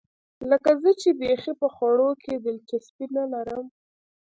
لکه زه چې بیخي په خوړو کې دلچسپي نه لرم.